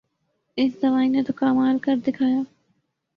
اس دوائی نے تو کمال کر دکھایا